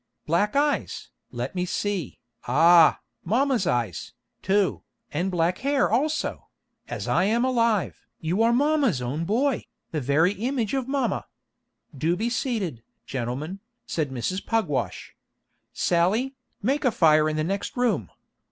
"Black eyes, let me see, ah, mama's eyes, too, and black hair also; as I am alive, you are mama's own boy, the very image of mama." "Do be seated, gentlemen," said Mrs. Pugwash. "Sally, make a fire in the next room."